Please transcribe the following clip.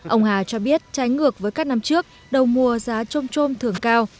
ông hà cho biết trái ngược với các năm trước đầu mùa giá trôm trôm thường cao